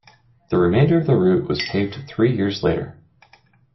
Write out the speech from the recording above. The remainder of the route was paved three years later.